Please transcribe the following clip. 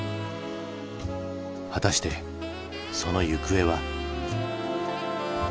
果たしてその行方は？